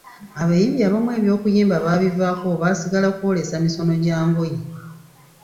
Abayimbi abamu eby’okuyimba baabivaako basigalira kw’oleesa misono gya ngoye.